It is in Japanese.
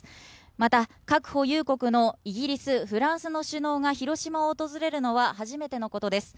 また、核保有国のイギリス、フランスの首脳が広島を訪れるのは初めてのことです。